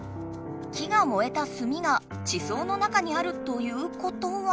木が燃えた炭が地層の中にあるということは。